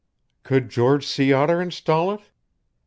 "Could George Sea Otter install it?"